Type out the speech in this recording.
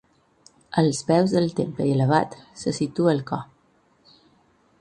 Als peus del temple i elevat, se situa el cor.